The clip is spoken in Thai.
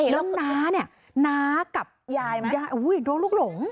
แล้วน้าเนี่ยน้ากับยายยายโดนลูกหลง